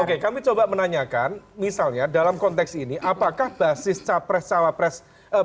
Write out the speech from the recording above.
oke kami coba menanyakan misalnya dalam konteks ini apakah basis capres cawapres